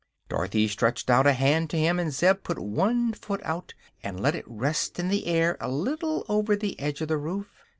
Dorothy stretched out a hand to him and Zeb put one foot out and let it rest in the air a little over the edge of the roof.